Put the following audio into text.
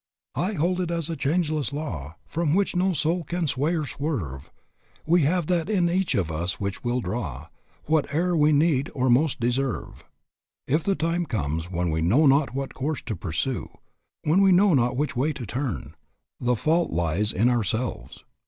"I hold it as a changeless law, From which no soul can sway or swerve, We have that in us which will draw Whate'er we need or most deserve." If the times come when we know not what course to pursue, when we know not which way to turn, the fault lies in ourselves.